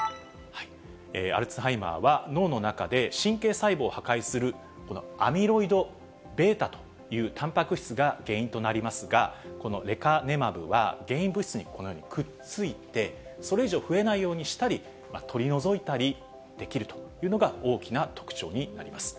アルツハイマーは、脳の中で神経細胞を破壊するこのアミロイドβというたんぱく質が原因となりますが、このレカネマブは、原因物質にこのようにくっついて、それ以上、増えないようにしたり、取り除いたりできるというのが、大きな特徴になります。